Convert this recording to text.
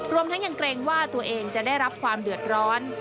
รวมทั้งยังเกรงว่าตัวเองจะได้รับความเดือดร้อน